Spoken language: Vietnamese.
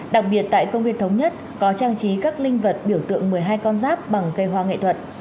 đặc biệt tại công viên thống nhất có trang trí các linh vật biểu tượng một mươi hai con giáp bằng cây hoa nghệ thuật